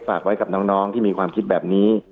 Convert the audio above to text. ฝากไว้กับน้องที่มีความคิดแบบนี้